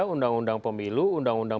undang undang pemilu undang undang